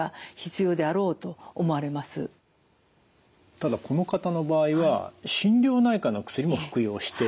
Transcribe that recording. ただこの方の場合は心療内科の薬も服用している。